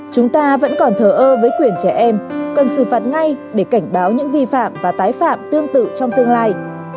chúng ta vẫn còn thờ ơ với quyền trẻ em cần xử phạt ngay để cảnh báo những vi phạm và tái phạm tương tự trong tương lai